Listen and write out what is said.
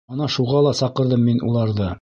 Ана шуға ла саҡырҙым мин уларҙы.